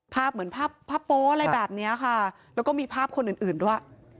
เหมือนภาพภาพโป๊อะไรแบบนี้ค่ะแล้วก็มีภาพคนอื่นด้วย